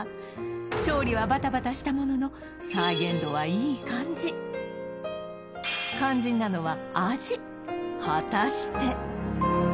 調理はバタバタしたものの再現度はいい感じ肝心なのは味果たして？